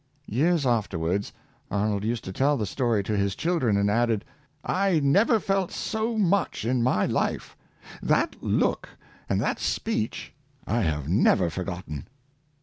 Years afterwards, Arnold used to tell the story to his children, and added, " I never felt so much in my life — that look and that speech I have never forgotten."